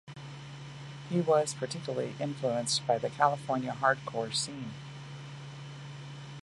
He was particularly influenced by the California hardcore scene.